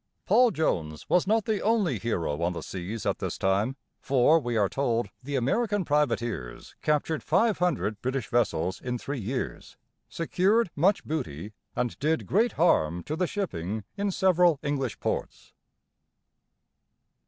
Paul Jones was not the only hero on the seas at this time, for we are told the American privateers captured five hundred British vessels in three years, secured much booty, and did great harm to the shipping in several English ports.